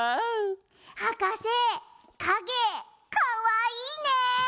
はかせかげかわいいね。